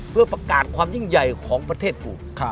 เพื่อประกาศความยิ่งใหญ่ของประเทศกู